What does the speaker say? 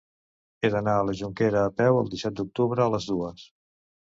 He d'anar a la Jonquera a peu el disset d'octubre a les dues.